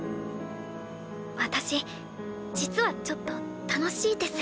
私実はちょっと楽しいです。